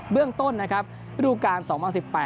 เบื้องต้นนะครับรูปการณ์๒๐๑๘